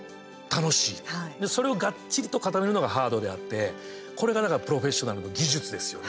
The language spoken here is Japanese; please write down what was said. それをがっちりと固めるのがハードであって、これがだからプロフェッショナルの技術ですよね。